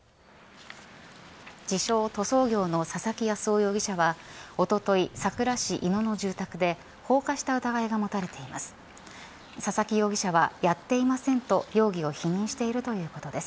自称塗装業の佐々木康雄容疑者はおととい佐倉市井野の住宅で放火した疑いが持たれています。